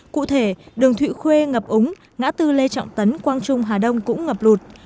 cụ thể đường thụy khuê ngập ống ngã tư lê trọng tấn quang trung hà đông cũng ngập lụt